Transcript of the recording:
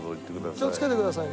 気をつけてくださいね。